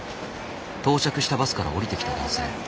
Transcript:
到着したバスから降りてきた男性。